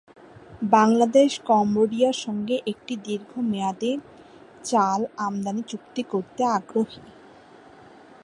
Bangladesh Cambodia সঙ্গে একটি দীর্ঘমেয়াদী চাল আমদানি চুক্তি করতে আগ্রহী।